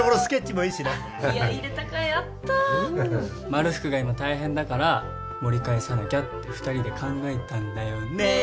まるふくが今大変だから盛り返さなきゃって２人で考えたんだよ。ねぇ。